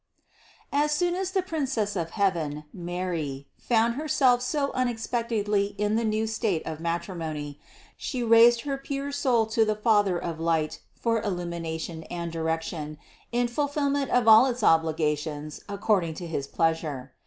As soon as the Princess of heaven, Mary, found Herself so unexpectedly in the new state of matrimony, She raised her pure soul to the Father of light for illu mination and direction in the fulfillment of all its obli gations according to his pleasure.